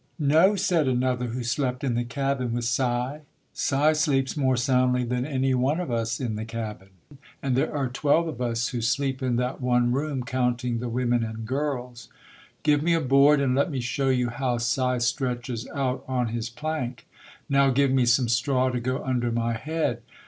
"No", said another, who slept in the cabin with Si, "Si sleeps more soundly than any one of us in the cabin, and there are twelve of us who sleep in that one room, counting the women and girls. Give me a board and let me show you how Si stretches out on his plank. Now give me some straw to go under my head.